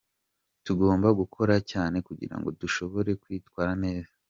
Tugomba gukora cyane kugirango dushobore kwitwara neza.